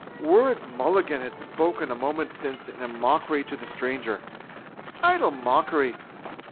Words Mulligan had spoken a moment since in mockery to the stranger. Idle mockery.